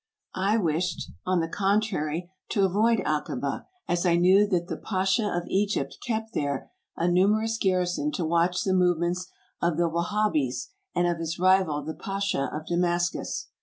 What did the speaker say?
I wished, on the 283 284 TRAVELERS AND EXPLORERS contrary, to avoid Akaba as I knew that the Pasha of Egypt kept there a numerous garrison to watch the movements of the Wahabees and of his rival the Pasha of Damascus.